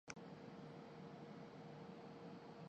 Punjab revenue authority کا tax نادہندگان کیلئے پیکج کا اعلان